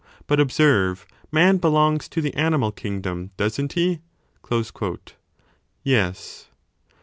But observe ; man belongs to the animal kingdom, doesn t he ? Yes.